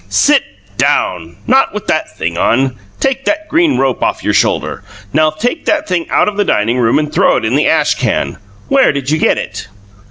Sit DOWN! Not with that thing on! Take that green rope off your shoulder! Now take that thing out of the dining room and throw it in the ash can! Where did you get it?"